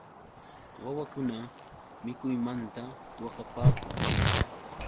Wawakuna mikuymanta waqapaakun.